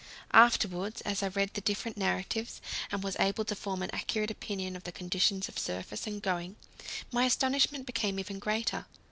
Afterwards, as I read the different narratives and was able to form an accurate opinion of the conditions of surface and going, my astonishment became even greater.